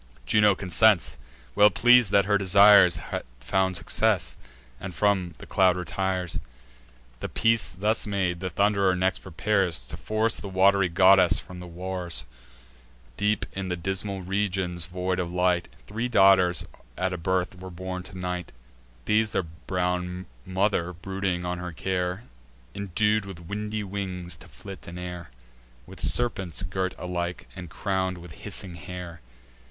Juno consents, well pleas'd that her desires Had found success, and from the cloud retires. The peace thus made, the Thund'rer next prepares To force the wat'ry goddess from the wars. Deep in the dismal regions void of light, Three daughters at a birth were born to Night: These their brown mother, brooding on her care, Indued with windy wings to flit in air, With serpents girt alike, and crown'd with hissing hair.